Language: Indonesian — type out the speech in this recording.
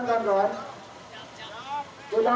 untuk menyatakan sikap kita